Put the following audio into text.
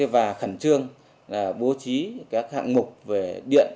và khẩn trương bố trí các hạng mục về điện